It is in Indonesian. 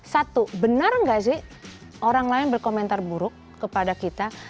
satu benar nggak sih orang lain berkomentar buruk kepada kita